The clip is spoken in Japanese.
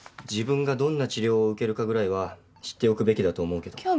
自分がどんな治療を受けるかぐらいは知っておくべきだと思うけど。